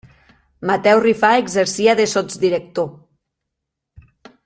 Mateu Rifà exercia de sotsdirector.